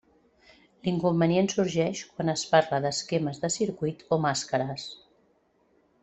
L'inconvenient sorgeix quan es parla d'esquemes de circuit o màscares.